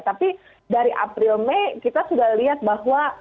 tapi dari april mei kita sudah lihat bahwa